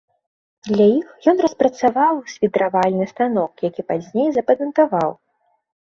Для іх ён распрацаваў свідравальны станок, які пазней запатэнтаваў.